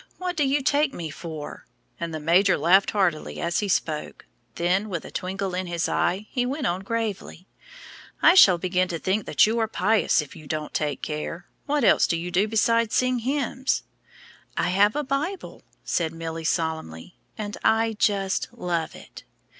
what do you take me for?" and the major laughed heartily as he spoke; then, with a twinkle in his eye, he went on gravely, "I shall begin to think that you are pious if you don't take care. What else do you do besides sing hymns?" "I have a Bible," said Milly, solemnly, "and I just love it."